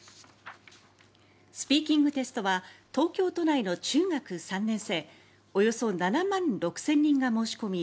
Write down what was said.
スピーキングテストは東京都内の中学３年生およそ７万６０００人が申し込み